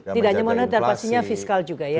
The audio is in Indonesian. tidak hanya moneter pastinya fiskal juga ya